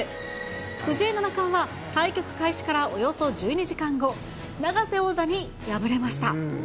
藤井七冠は、対局開始からおよそ１２時間後、永瀬王座に敗れました。